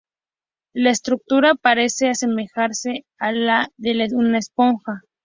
La estructura parece asemejarse a la de una esponja.